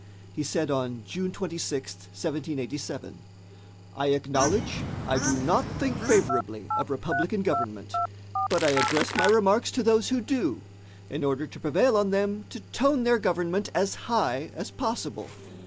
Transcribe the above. He said on June 26, 1787: "I acknowledge I do not think favorably of republican government; but I address my remarks to those who do, in order to prevail on them to tone their government as high as possible.